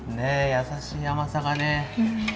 優しい甘さがね。